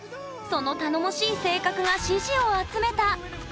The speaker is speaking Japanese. その頼もしい性格が支持を集めた！